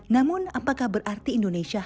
namun apakah berarti indonesia